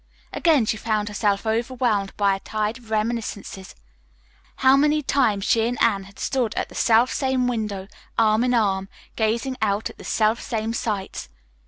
Again she found herself overwhelmed by a tide of reminiscences. How many times she and Anne had stood at the self same window, arm in arm, gazing out at the self same sights.